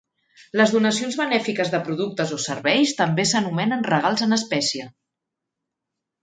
Les donacions benèfiques de productes o serveis també s'anomenen regals en espècie.